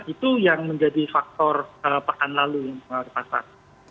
itu yang menjadi faktor pakan lalu di pasar